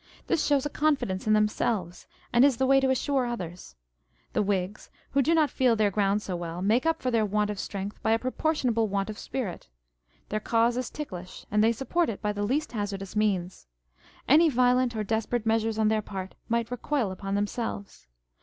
This shows a confidence in themselves, and is the way to assure others. The Wh ground so well, make up for their want of strength by a proportionable want of spirit. Their cause is ticklish, and they support it by the least hazardous means. Any violent or desperate measures on their part might recoil upon themselves.